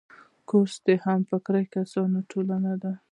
کورس د همفکره کسانو ټولنه ده.